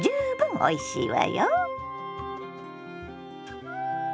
おいしいわ！